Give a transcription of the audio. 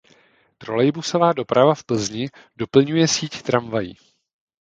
Trolejbusová doprava v Plzni doplňuje síť tramvají.